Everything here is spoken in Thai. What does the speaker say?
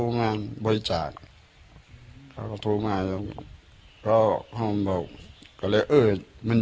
มันมีทางเดียวมีอยังเดียวก็คือว่า